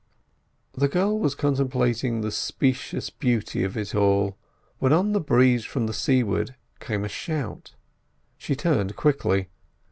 '" The girl was contemplating the specious beauty of it all, when on the breeze from seaward came a shout. She turned quickly.